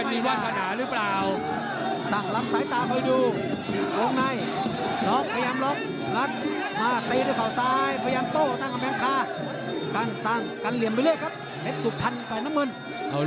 มันก็จะมีวาสนาหรือเปล่า